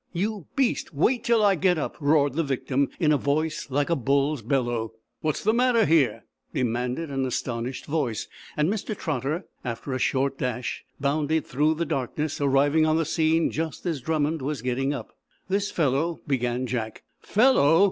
"You beast! Wait until I get up!" roared the victim, in a voice like a bull's bellow. "What's the matter here?" demanded an astonished voice, and Mr. Trotter, after a short dash, bounded through the darkness, arriving on the scene just as Drummond was getting up. "This fellow " began Jack. "'Fellow'?"